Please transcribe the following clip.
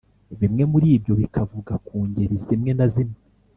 bimwe muri byo bikavuga ku ngeri zimwe na zimwe